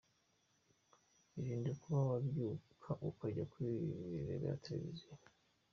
Irinde kuba wabyuka ukajya kwirebera Television.